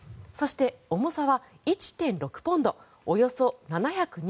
そして、重さは１．６ポンドおよそ７２５ｇ。